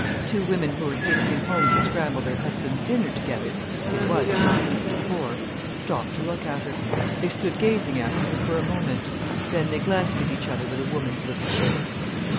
Two women who were hastening home to scramble their husbands' dinners together—it was five minutes to four—stopped to look at her. They stood gazing after her for a moment; then they glanced at each other with a woman's little grimace.